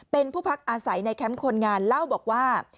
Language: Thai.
เป็นผู้พักอาศัยในแคมป์คนงานเล่าบอกว่า